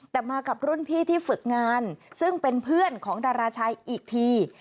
แต่มากับรุ่นพี่ที่ฝึกงานซึ่งเป็นเพื่อนของดาราชัยอีกที